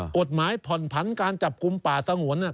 กฎหมายผ่อนผันการจับกุมป่าสงวนเนี่ย